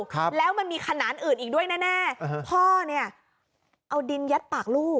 ครับแล้วมันมีขนานอื่นอีกด้วยแน่แน่พ่อเนี้ยเอาดินยัดปากลูก